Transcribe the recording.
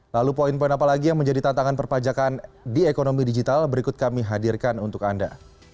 lalu poin poin apa lagi yang menjadi tantangan perpajakan di ekonomi digital berikut kami hadirkan untuk anda